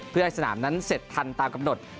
เพื่อให้สนามนั้นเสร็จทันตามกำหนด